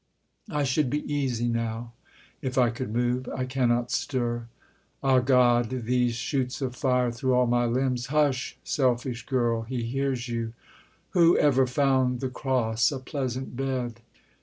I should be easy, now, if I could move ... I cannot stir. Ah God! these shoots of fire Through all my limbs! Hush, selfish girl! He hears you! Who ever found the cross a pleasant bed?